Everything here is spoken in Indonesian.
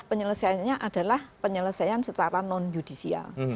penyelesaiannya adalah penyelesaian secara non judicial